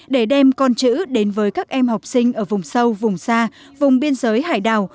để đem con chữ đến với các em học sinh ở vùng sâu vùng xa vùng biên giới hải đảo